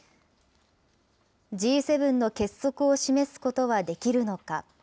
Ｇ７の結束を示すことはできるのか。